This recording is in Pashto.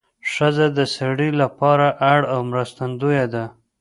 ښځه د سړي لپاره اړم او مرستندویه ده